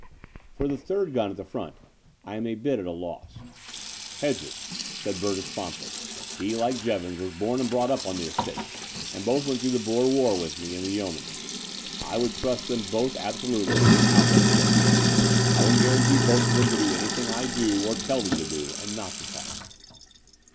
For the third gun at the front I am a bit at a loss." "Hedges," said Burgess promptly. "He, like Jevons, was bom and brought up on the estate, and both went through the Boer War with me in the Yeomanry; and I would trust them both abso lutely and without reservation. I will guarantee both of them to do anything I do or tell them to do, and not to talk."